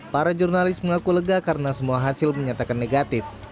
para jurnalis mengaku lega karena semua hasil menyatakan negatif